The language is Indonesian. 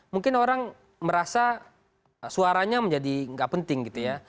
mungkin orang merasa suaranya menjadi nggak penting gitu ya